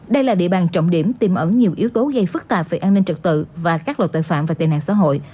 đây là địa bàn trọng điểm tiềm ẩn nhiều yếu tố gây phức tạp về an ninh trật tự và các loại tội phạm và tên nạn xã hội